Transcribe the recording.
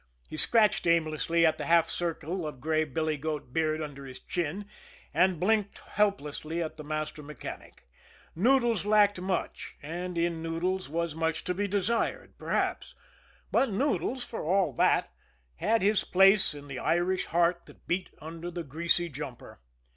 He scratched aimlessly at the half circle of gray billy goat beard under his chin, and blinked helplessly at the master mechanic. Noodles lacked much, and in Noodles was much to be desired perhaps but Noodles, for all that, had his place in the Irish heart that beat under the greasy jumper.